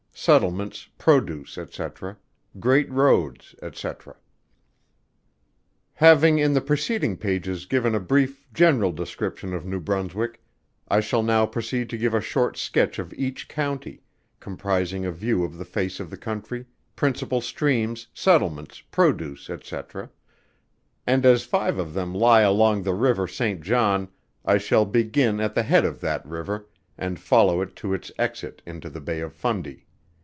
Settlements, Produce, &c. Great Roads, &c._ Having, in the preceding pages, given a brief general description of New Brunswick, I shall now proceed to give a short sketch of each County, comprising a view of the face of the country, principal streams, settlements, produce, &c. And as five of them lie along the river St. John, I shall begin at the head of that river, and follow it to its exit into the Bay of Fundy.